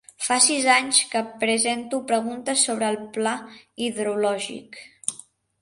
Fa sis anys que presento preguntes sobre el pla hidrològic.